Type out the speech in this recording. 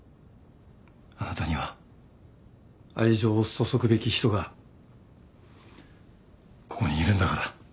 あなたには愛情を注ぐべき人がここにいるんだから。